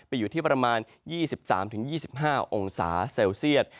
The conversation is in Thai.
อยู่ที่ประมาณ๒๓๒๕องศาเซลเซียต